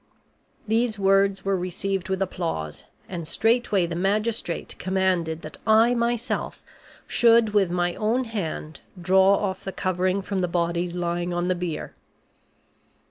These words were received with applause, and straightway the magistrate commanded that I myself should with my own hand draw off the covering from the bodies lying on the bier.